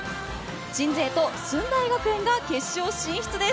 鎮西と駿台学園が決勝進出です。